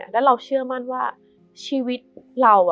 แล้วเราเชื่อมั่นว่าชีวิตเรา